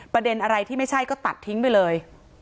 ประเด็นอะไรที่ไม่ใช่ก็ตัดทิ้งไปเลย